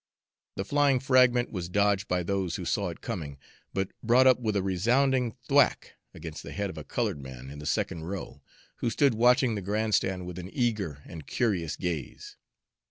The flying fragment was dodged by those who saw it coming, but brought up with a resounding thwack against the head of a colored man in the second row, who stood watching the grand stand with an eager and curious gaze.